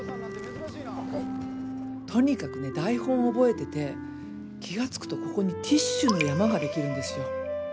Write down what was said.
とにかくね台本覚えてて気が付くとここにティッシュの山ができるんですよ。